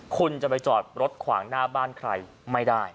คุณจะไปจอดรถขวางหน้าบ้านใครไม่ได้